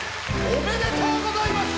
おめでとうございます！